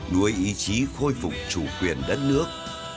nuôi ý chí khôi phục chủ quyền đất nước